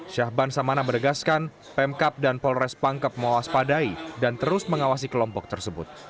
syahban samana menegaskan pemkap dan polres pangkep mewaspadai dan terus mengawasi kelompok tersebut